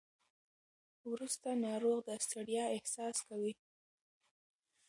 وروسته ناروغ د ستړیا احساس کوي.